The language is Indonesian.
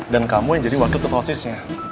dan kamu yang jadi wakil ketolsisnya